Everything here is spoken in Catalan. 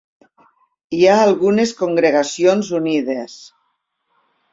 Hi ha algunes congregacions "unides".